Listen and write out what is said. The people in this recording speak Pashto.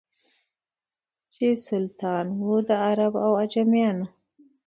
چي سلطان وو د عرب او عجمیانو